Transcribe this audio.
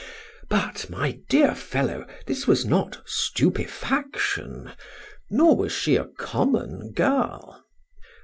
But, my dear fellow, this was not stupefaction, nor was she a common girl.